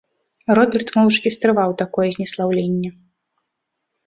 Роберт моўчкі стрываў такое знеслаўленне.